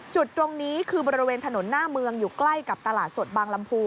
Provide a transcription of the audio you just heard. จุดตรงนี้คือบริเวณถนนหน้าเมืองอยู่ใกล้กับตลาดสดบางลำพู